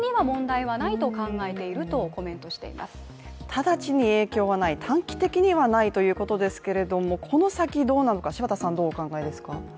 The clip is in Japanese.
直ちに影響はない、短期的にはないということですけれども、この先どうなのか、どうお考えですか？